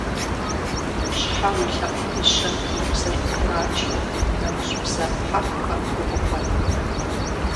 Щхьэ уи лъэпкъ дыщэм и бзэр пӀурачу нэмыщӀ бзэ хьэхухэм укъыхуэна?